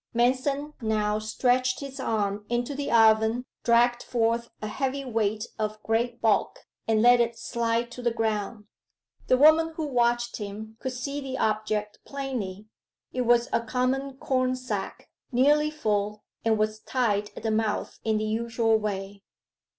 Manston now stretched his arm into the oven, dragged forth a heavy weight of great bulk, and let it slide to the ground. The woman who watched him could see the object plainly. It was a common corn sack, nearly full, and was tied at the mouth in the usual way.